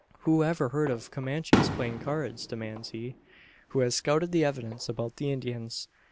"Who ever heard of Comanches playing cards?" demands he, who has scouted the evidence about the Indians.